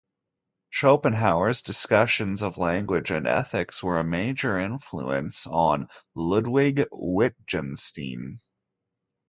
Schopenhauer's discussions of language and ethics were a major influence on Ludwig Wittgenstein.